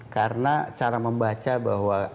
karena cara membaca bahwa